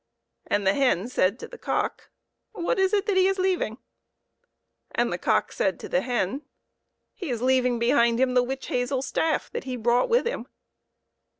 And the hen said to the cock, " What is it that he is leaving ?" And the cock said to the hen, " He is leaving behind him the witch hazel staff that he brought with him."